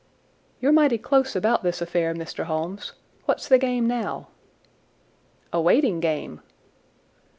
"You're mighty close about this affair, Mr. Holmes. What's the game now?" "A waiting game."